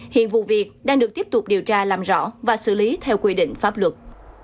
hiện vụ việc đang được tiếp tục điều tra làm rõ và xử lý theo quy định pháp luật